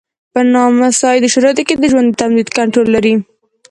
په نامساعدو شرایطو کې د ژوند د تمدید کنټرول لري.